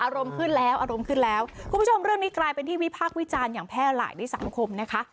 ขึ้นแล้วอารมณ์ขึ้นแล้วคุณผู้ชมเรื่องนี้กลายเป็นที่วิพากษ์วิจารณ์อย่างแพร่หลายในสังคมนะคะ